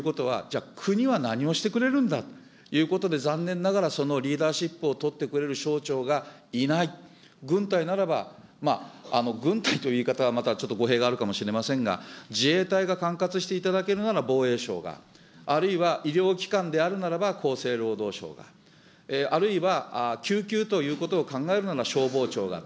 その中で、民間にということは、じゃあ国は何をしてくれるんだということで、残念ながら、そのリーダーシップを取ってくれる省庁がいない、軍隊なら、軍隊という言い方はちょっと語弊があるかもしれませんが、自衛隊が管轄していただけるなら防衛省が、あるいは医療機関であるならば厚生労働省が、あるいは救急ということを考えるなら消防庁が。